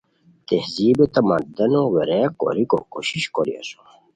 تہذیب و تمدنو ویریغ کوریکوکوشش کوری اسوم